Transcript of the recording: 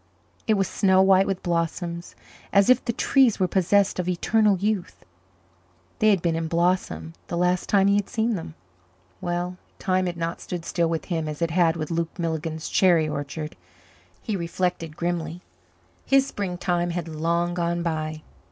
It was snow white with blossoms, as if the trees were possessed of eternal youth; they had been in blossom the last time he had seen them. Well, time had not stood still with him as it had with Luke Milligan's cherry orchard, he reflected grimly. His springtime had long gone by.